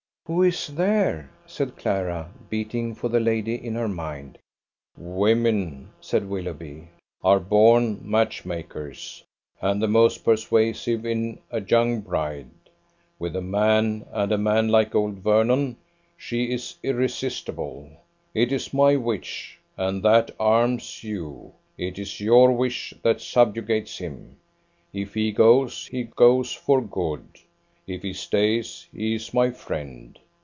"Who is there?" said Clara, beating for the lady in her mind. "Women," said Willoughby, "are born match makers, and the most persuasive is a young bride. With a man and a man like old Vernon! she is irresistible. It is my wish, and that arms you. It is your wish, that subjugates him. If he goes, he goes for good. If he stays, he is my friend.